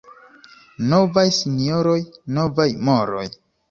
Novaj sinjoroj, — novaj moroj.